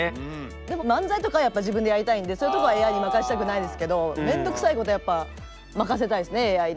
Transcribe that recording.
でも漫才とかはやっぱ自分でやりたいんでそういうとこはＡＩに任せたくないですけど面倒くさいことはやっぱ任せたいですねＡＩに。